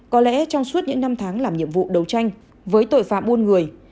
có lẽ trong suốt những năm tháng làm nhiệm vụ đấu tranh với tội phạm buôn người